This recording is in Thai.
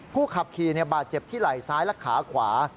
ผู้ขับขี่บาดเจ็บที่ไหล่ซ้ายและขาขวา